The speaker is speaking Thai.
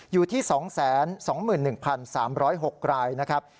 อยู่ที่๒๒๑๓๐๖รายนะครับ